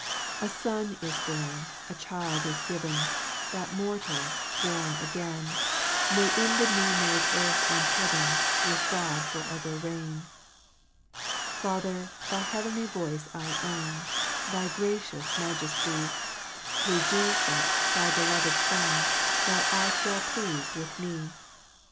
2 A Son is born, a child is given, That mortals, born again, May in the new made earth and heaven, With God for ever reign. 2 Father, thy heavenly voice I own, Thy gracious majefty ; Thro' Jefus, thy beloved Son, Thou art well pleas'd with me